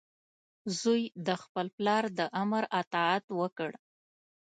زوی د خپل پلار د امر اطاعت وکړ.